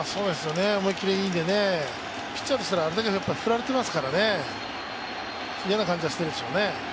思い切りがいいんで、ピッチャーとしたらあれだけ振られてますから嫌な感じはしてるでしょうね。